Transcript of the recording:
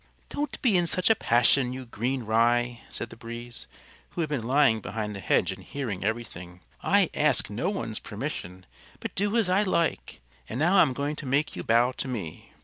"Don't be in such a passion, you green Rye," said the Breeze, who had been lying behind the hedge and hearing everything. "I ask no one's permission, but do as I like; and now I'm going to make you bow to me."